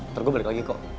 ntar gue balik lagi kok